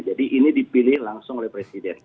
jadi ini dipilih langsung oleh presiden